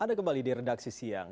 anda kembali di redaksi siang